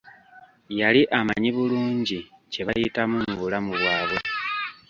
Yali amanyi bulungi kye bayitamu mubulamu bwabwe.